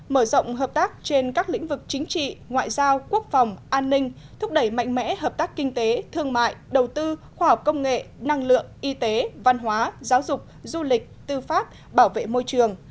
mở rộng hợp tác trên các lĩnh vực chính trị ngoại giao quốc phòng an ninh thúc đẩy mạnh mẽ hợp tác kinh tế thương mại đầu tư khoa học công nghệ năng lượng y tế văn hóa giáo dục du lịch tư pháp bảo vệ môi trường